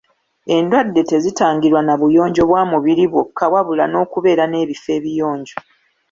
Endwadde tezitangirwa na buyonjo bwa mubiri bwokka wabula n'okubeera n'ebifo ebiyonjo.